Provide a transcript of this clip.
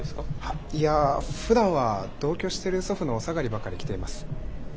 いやふだんは同居してる祖父のお下がりばかり着ています。